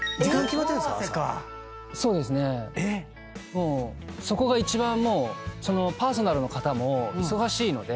もうそこが一番パーソナルの方も忙しいので。